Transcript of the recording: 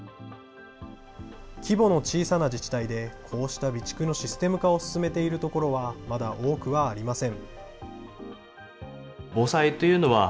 規模の小さな自治体でこうした備蓄のシステム化を進めている所は、まだ多くはありません。